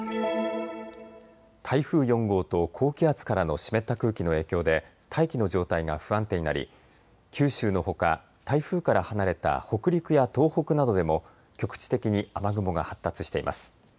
台風４号と高気圧からの湿った空気の影響で大気の状態が不安定になり九州のほか台風から離れた北陸や東北などでも局地的に雨雲が発達しています。